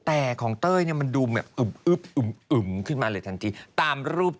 อ่า